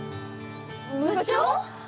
部長⁉